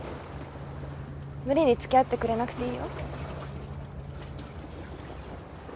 無理に付き合ってくれなくていいよ。